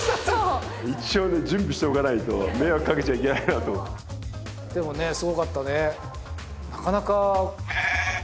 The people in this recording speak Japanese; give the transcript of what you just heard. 一応ね準備しておかないと迷惑かけちゃいけないなと思ってでもねすごかったね